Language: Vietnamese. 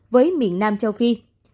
với miền nam châu phi